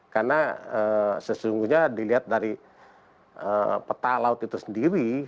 karena sesungguhnya dilihat dari peta laut itu sendiri